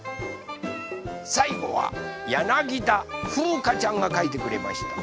さいごはやなぎだふうかちゃんがかいてくれました。